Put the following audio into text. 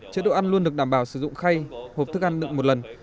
cái đồ ăn luôn được đảm bảo sử dụng khay hộp thức ăn được một lần